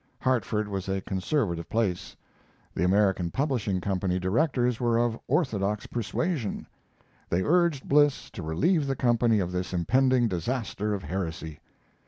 Hartford was a conservative place; the American Publishing Company directors were of orthodox persuasion. They urged Bliss to relieve the company of this impending disaster of heresy.